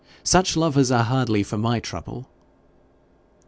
Such lovers are hardly for my trouble!'